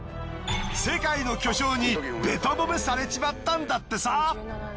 世界の巨匠にベタ褒めされちまったんだってさ。